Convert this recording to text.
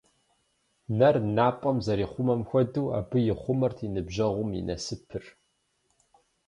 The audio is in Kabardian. Нэр напӏэм зэрихъумэм хуэдэу, абы ихъумэрт и ныбжьэгъум и насыпыр.